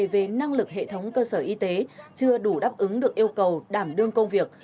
về năng lực hệ thống cơ sở y tế chưa đủ đáp ứng được yêu cầu đảm đương công việc